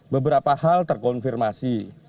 beberapa hal terkonfirmasi